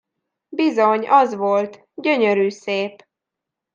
Bizony az volt, gyönyörű szép!